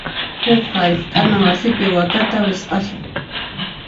Huk hark'ana wasipi wakata wisq'asun.